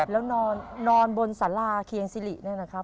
แล้วนอนบนสาราเคียงสิริเนี่ยนะครับ